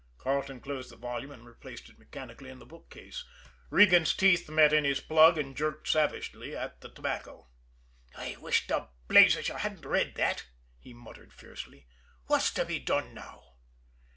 Carleton closed the volume and replaced it mechanically in the bookcase. Regan's teeth met in his plug and jerked savagely at the tobacco. "I wish to blazes you hadn't read that!" he muttered fiercely. "What's to be done now?"